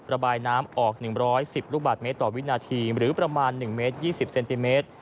ระบายน้ำออก๑๑๐ลูกบาทเมตรต่อวินาทีหรือประมาณ๑เมตร๒๐เซนติเมตร